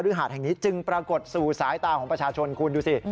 หาดแห่งนี้จึงปรากฏสู่สายตาของประชาชนคุณดูสิ